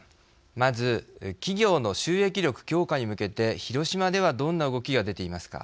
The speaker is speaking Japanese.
まず企業の収益力強化に向けて広島ではどんな動きが出ていますか。